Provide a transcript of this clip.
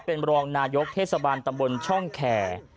เป็นรองนายกเทศบาลตำบลช่องแคร์